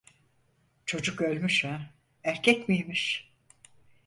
Çocuk ölmüş ha! Erkek miymiş?